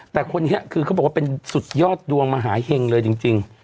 แต่คนนี้คือเขาบอกว่าเป็นสุดยอดดวงมหาเห็งเลยจริง